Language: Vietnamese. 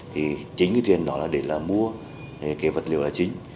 thì chính cái tiền đó là để là mua cái vật liệu là chính